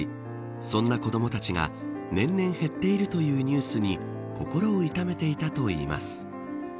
そんな子どもたちが年々減っているというニュースに心を痛めていたといいます。